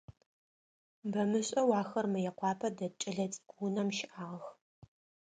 Бэмышӏэу ахэр Мыекъуапэ дэт кӏэлэцӏыкӏу унэм щыӏагъэх.